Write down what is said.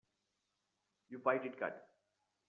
You fight it cut.